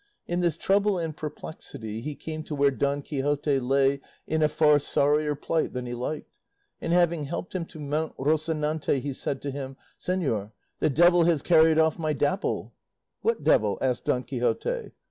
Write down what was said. In this trouble and perplexity he came to where Don Quixote lay in a far sorrier plight than he liked, and having helped him to mount Rocinante, he said to him, "Señor, the devil has carried off my Dapple." "What devil?" asked Don Quixote.